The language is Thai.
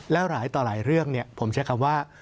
แล้วหลายต่อหลายเรื่องผมใช้คำว่า